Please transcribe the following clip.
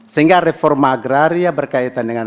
sehingga reforma agraria berkaitan dengan